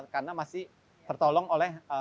karena masih tertolong oleh